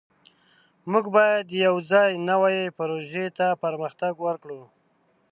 موږ باید یوځای نوې پروژې ته پرمختګ وکړو.